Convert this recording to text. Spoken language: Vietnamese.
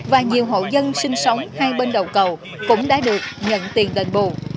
và nhiều hộ dân sinh sống hai bên đầu cầu cũng đã được nhận tiền đền bù